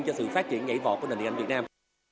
cho sự phát triển nhảy vọt của nền điện ảnh việt nam